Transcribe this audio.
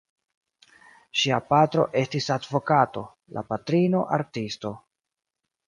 Ŝia patro estis advokato, la patrino artisto.